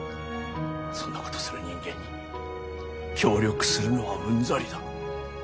そんなことする人間に協力するのはうんざりだ。